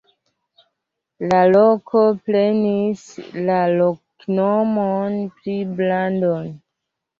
La loko prenis la loknomon pri Brandon.